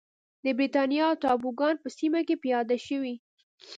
د برېټانیا ټاپوګان په سیمه کې پیاده شوې.